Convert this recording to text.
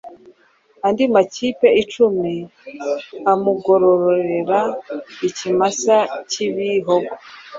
andi mapiki icumi, amugororera ikimasa k’ibihogo